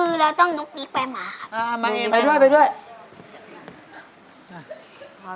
เราต้องลุกลิ๊กแป่นหมา